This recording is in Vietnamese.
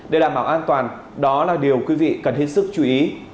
để đảm bảo an toàn đó là điều quý vị cần hết sức chú ý